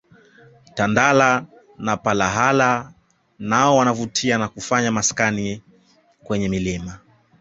Tandala na palahala nao wanavutia na kufanya maskani kwenye vilima